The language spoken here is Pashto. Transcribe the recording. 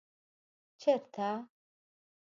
ـ چېرته؟